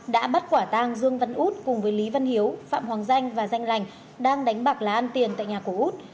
đã bắt quả tang dương văn út cùng với lý văn hiếu phạm hoàng danh và danh lành đang đánh bạc lá ăn tiền tại nhà của út